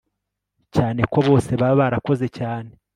cyane ko bose baba barakoze cyane